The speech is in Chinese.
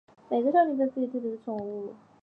每个少女被赋与特别的宠物。